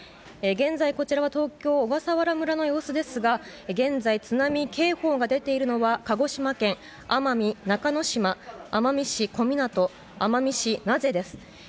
現在こちらは東京・小笠原村の様子ですが現在津波警報が出ているのは鹿児島県、奄美中之島奄美市小港、奄美市名瀬です。